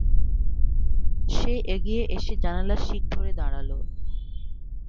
সে এগিয়ে এসে জানালার শিক ধরে দাঁড়াল।